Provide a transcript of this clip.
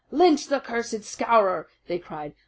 "Lynch the cursed Scowrer!" they cried.